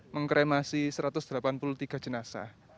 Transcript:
mengkremasi satu ratus delapan puluh tiga jenazah